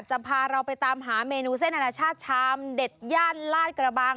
จะพาเราไปตามหาเมนูเส้นอนาชาติชามเด็ดย่านลาดกระบัง